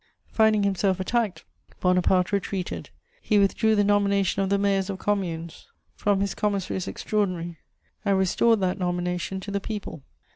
Finding himself attacked, Bonaparte retreated; he withdrew the nomination of the mayors of communes from his commissaries extraordinary and restored that nomination to the people.